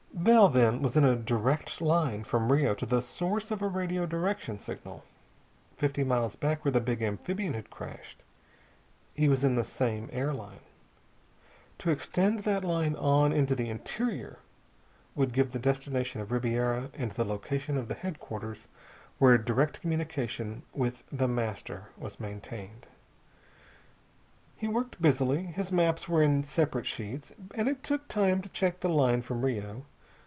Bell, then, was in a direct line from Rio to the source of a radio direction signal. Fifty miles back, where the big amphibian had crashed, he was in the same air line. To extend that line on into the interior would give the destination of Ribiera, and the location of the headquarters where direct communication with The Master was maintained. He worked busily. His maps were in separate sheets, and it took time to check the line from Rio.